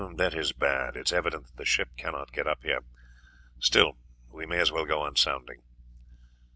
"That is bad. It is evident that the ship cannot get up here; still we may as well go on sounding."